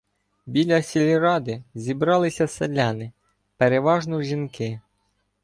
Біля сільради зібралися селяни, переважно жінки.